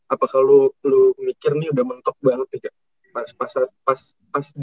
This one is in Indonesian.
apakah lo mikir ini udah mentok banget nih kak